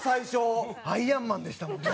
アイアンマンでしたもんね。